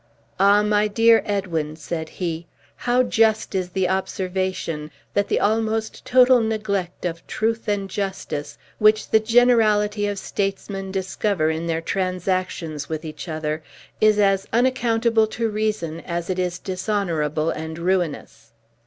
"Ah! my dear Edwin," said he, "how just is the observation, that the almost total neglect of truth and justice, which the generality of statesmen discover in their transactions with each other, is an unaccountable to reason as it is dishonorable and ruinous!